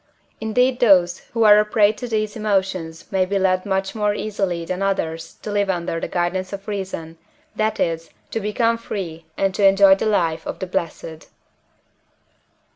Indeed those who are a prey to these emotions may be led much more easily than others to live under the guidance of reason, that is, to become free and to enjoy the life of the blessed.